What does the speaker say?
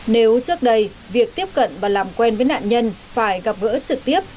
nếu trước đây việc tiếp cận và làm quen với nạn nhân phải gặp gỡ trực tiếp